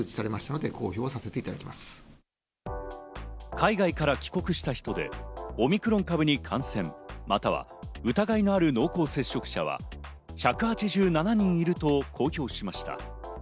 海外から帰国した人でオミクロン株に感染、または疑いのある濃厚接触者は１８７人いると公表しました。